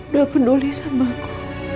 belum peduli sama aku